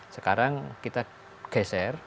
sekarang kita geser